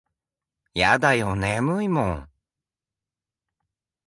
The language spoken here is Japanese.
やだよ眠いもん。